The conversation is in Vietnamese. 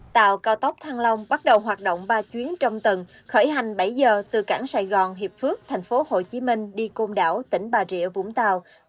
tàu cao tốc thăng long bắt đầu hoạt động ba chuyến trong tuần khởi hành bảy giờ từ cảng sài gòn hiệp phước tp hcm đi côn đảo tỉnh bà rịa vũng tàu